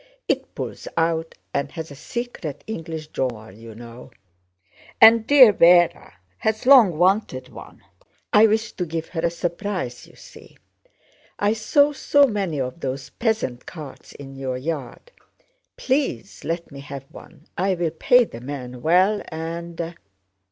It pulls out and has a secret English drawer, you know! And dear Véra has long wanted one. I wish to give her a surprise, you see. I saw so many of those peasant carts in your yard. Please let me have one, I will pay the man well, and..."